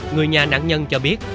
người nhà nạn nhân cho biết